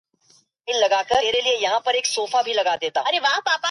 Nanci Chambers also appeared in this movie as a doctor.